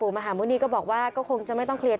ปู่มหาหมุนีบอกว่าตัวเองอสูญที่นี้ไม่เป็นไรหรอก